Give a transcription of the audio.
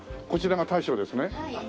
こちらが大将ですね。